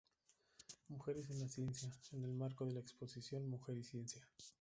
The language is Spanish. Mujeres en la Ciencia', en el marco de la exposición "Mujer y Ciencia.